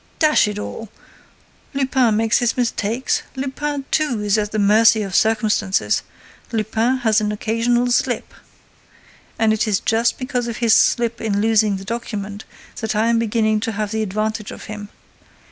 Dash it all, Lupin makes his mistakes; Lupin, too, is at the mercy of circumstances; Lupin has an occasional slip! And it is just because of his slip in losing the document that I am beginning to have the advantage of him.